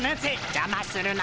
じゃまするな。